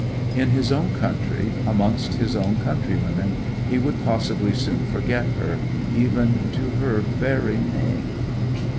In his own country, amongst his own countrywomen, he would possibly soon forget her, even to her very name.